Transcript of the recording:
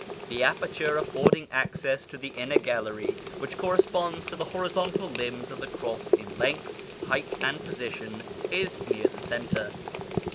The aperture affording access to the inner gallery (which corresponds to the horizontal limbs of the cross in length, height, and position) is near the centre.